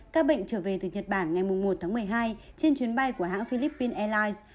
các bệnh trở về từ nhật bản ngày một tháng một mươi hai trên chuyến bay của hãng philippines airlines